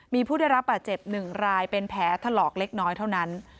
มีผู้ได้รับบาดเจ็บ๑รายเป็นแผลถลอกเล็กน้อยเท่านั้น